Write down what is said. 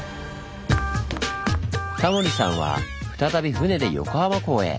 タモリさんは再び船で横浜港へ。